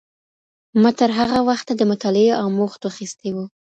ما تر هغه وخته د مطالعې اموخت اخیستی و.